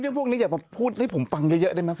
เรื่องพวกนี้อย่าแบบพูดให้ผมฟังเยอะได้ไหม